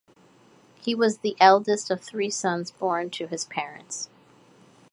He was the eldest of three sons born to his parents.